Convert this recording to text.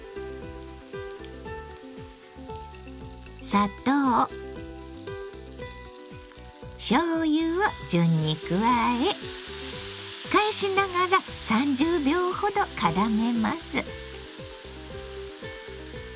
砂糖しょうゆを順に加え返しながら３０秒ほどからめます。